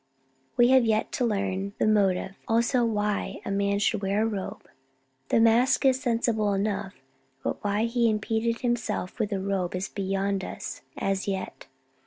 "We have yet to learn the motive; also why a man should wear a robe. The mask is sensible enough, but why he impeded himself with a robe is beyond us as yet.